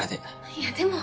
いやでも。